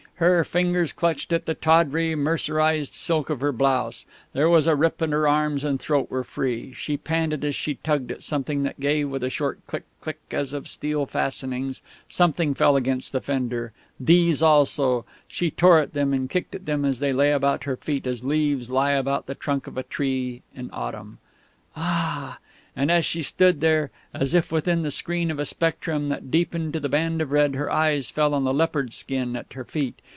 Her fingers clutched at the tawdry mercerised silk of her blouse. There was a rip, and her arms and throat were free. She panted as she tugged at something that gave with a short "click click," as of steel fastenings; something fell against the fender.... These also.... She tore at them, and kicked them as they lay about her feet as leaves lie about the trunk of a tree in autumn.... "Ah!" And as she stood there, as if within the screen of a spectrum that deepened to the band of red, her eyes fell on the leopard skin at her feet.